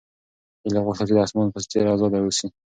هیلې غوښتل چې د اسمان په څېر ازاده اوسي.